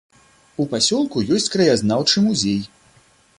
У пасёлку ёсць краязнаўчы музей.